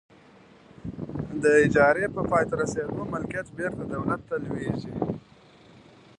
د اجارې په پای ته رسیدو ملکیت بیرته دولت ته لویږي.